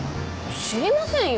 知りませんよ。